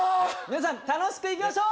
皆さん楽しくいきましょう